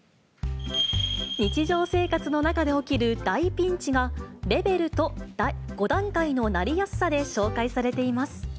日常生活の中で起きる大ピンチが、レベルと５段階のなりやすさで紹介されています。